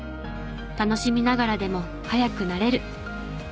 楽しみながらでも速くなれる。